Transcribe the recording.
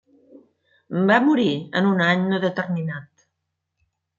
Va morir en un any no determinat.